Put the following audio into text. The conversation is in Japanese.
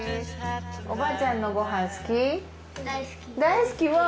おばあちゃんのご飯好き？